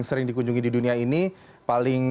sering dikunjungi di dunia ini paling